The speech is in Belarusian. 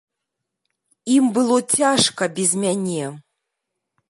Ім было цяжка без мяне.